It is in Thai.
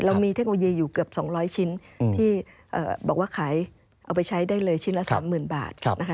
เรามีเทคโนโลยีอยู่เกือบ๒๐๐ชิ้นที่บอกว่าขายเอาไปใช้ได้เลยชิ้นละ๓๐๐๐บาทนะคะ